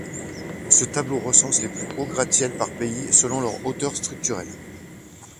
Ce tableau recense les plus hauts gratte-ciel par pays selon leur hauteur structurelle.